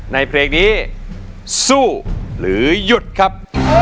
ในเพลงนี้สู้หรือหยุดครับ